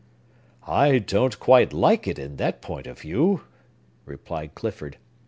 "I don't quite like it, in that point of view," replied Clifford.